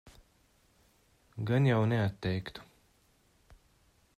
Gan jau neatteiktu.